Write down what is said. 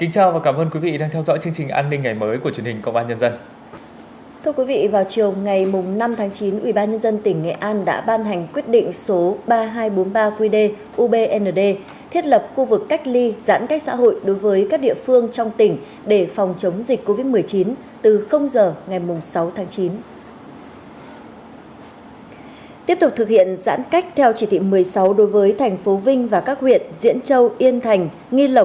chào mừng quý vị đến với bộ phim hãy nhớ like share và đăng ký kênh của chúng mình nhé